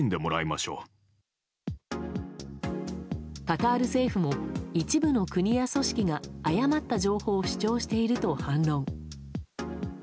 カタール政府も一部の国や組織が誤った情報を主張していると反論。